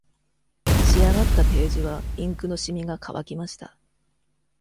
仕上がったページはインクの染みが乾きました。